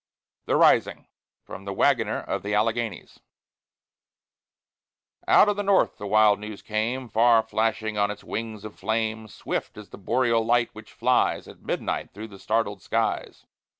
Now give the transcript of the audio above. THE RISING From "The Wagoner of the Alleghanies" Out of the North the wild news came, Far flashing on its wings of flame, Swift as the boreal light which flies At midnight through the startled skies.